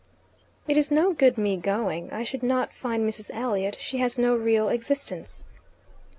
"It is no good me going. I should not find Mrs. Elliot: she has no real existence."